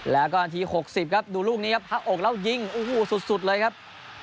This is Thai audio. แล้วก็นาที๖๐ครับดูลูกนี้ครับพระอกแล้วยิงโอ้โหสุดเลยครับ